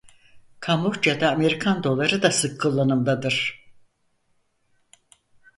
Kamboçya'da Amerikan doları da sık kullanımdadır.